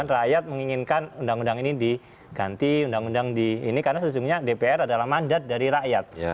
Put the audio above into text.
rakyat menginginkan undang undang ini diganti undang undang di ini karena sesungguhnya dpr adalah mandat dari rakyat